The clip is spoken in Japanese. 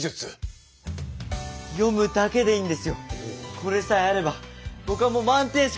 これさえあれば僕はもう満点しか取らない！